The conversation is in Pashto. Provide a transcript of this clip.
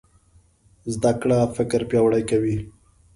زده کړه فکر پیاوړی کوي.